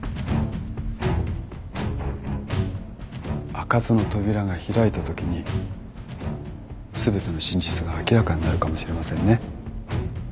開かずの扉が開いたときに全ての真実が明らかになるかもしれませんね。